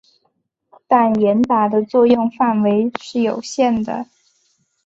但严打的作用范围是有限的。